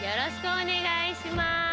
おねがいします！